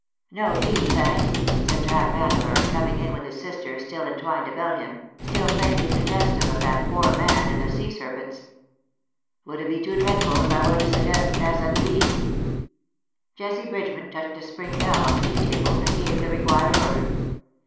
^' No tea, thanks," said Jack Vandeleur, coming in with his sisters still entwined about him, still faintly suggestive of that poor man and the sea serpents. " Would it be too dreadful if I were ta suggest S. & B. ?" Jessie Bridgeman touched a spring bell on the tea table, and gave the required order.